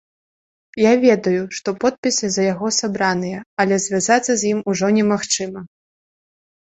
Я ведаю, што подпісы за яго сабраныя, але звязацца з ім ужо немагчыма.